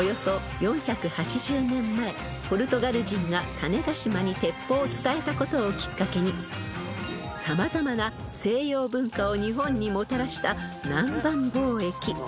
４８０年前ポルトガル人が種子島に鉄砲を伝えたことをきっかけに様々な西洋文化を日本にもたらした南蛮貿易］